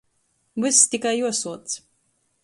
Vyss tikai juosuoc.